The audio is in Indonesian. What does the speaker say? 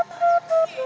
ketika memiliki kekuatan